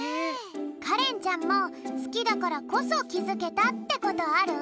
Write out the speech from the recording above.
カレンちゃんもすきだからこそきづけたってことある？